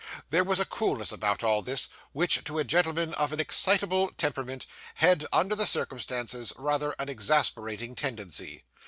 There was a coolness about all this, which, to a gentleman of an excitable temperament, had, under the circumstances, rather an exasperating tendency.